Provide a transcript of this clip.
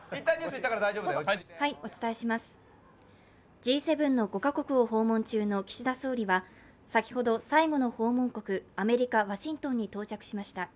Ｇ７の５か国を訪問中の岸田総理は先ほど最後の訪問国、アメリカ・ワシントンに到着しました。